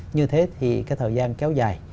như thế thì thời gian kéo dài